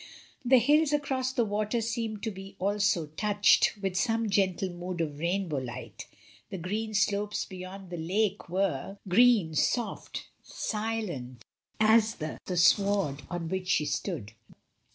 The hills across the water seemed to be also touched with some gentle mood of rain bow light. The green slopes beyond the lake were 230 MRS. DYMOND. green, soft, silent as the sward on which she stood.